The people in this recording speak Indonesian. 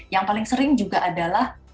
yang paling sering juga adalah